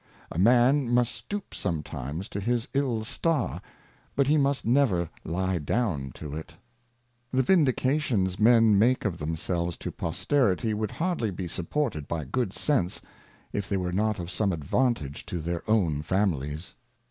A Man must stoop sometimes to his ill Star, but he must never lie down to it. The Vindications Men make of themselves to Posterity would hardly be supported by Good Sense, if they were not of some Advantage to their own Families.